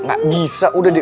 enggak bisa udah deh